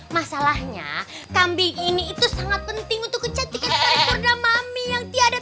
masalahnya kambing ini itu sangat penting untuk kecantikan seekor damami yang tiada